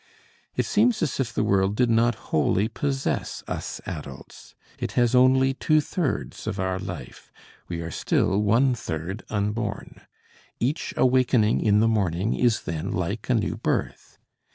It seems as if the world did not wholly possess us adults, it has only two thirds of our life, we are still one third unborn. Each awakening in the morning is then like a new birth.